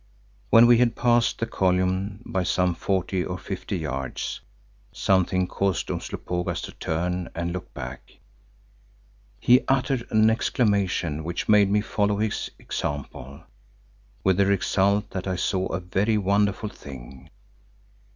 When we had passed the column by some forty or fifty yards, something caused Umslopogaas to turn and look back. He uttered an exclamation which made me follow his example, with the result that I saw a very wonderful thing.